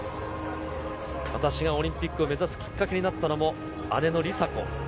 私がオリンピックを目指すきっかけになったのも、姉の梨紗子。